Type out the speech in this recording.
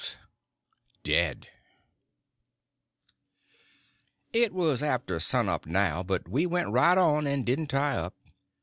CHAPTER XXI. It was after sun up now, but we went right on and didn't tie up.